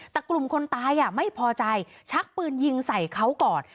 แต่กลุ่มคนตายไม่พอใจชักปืนยิงใส่เขาก่อน